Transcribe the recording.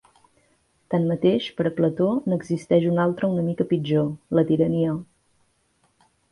Tanmateix, per a Plató n'existeix una altra una mica pitjor: la tirania.